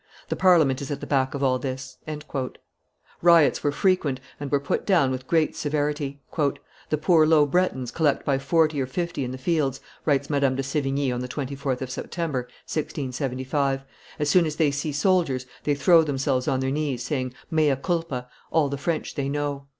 The Parliament is at the back of all this." Riots were frequent, and were put down with great severity. "The poor Low Bretons collect by forty or fifty in the fields," writes Madame de Sevigne on the 24th of September, 1675: "as soon as they see soldiers, they throw themselves on their knees, saying, Mea culpa! all the French they know..